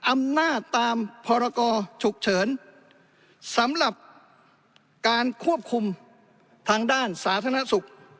อำนาจตามพรกรฉุกเฉินสำหรับการควบคุมทางด้านสาธารณสุข